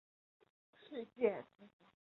世界从何来？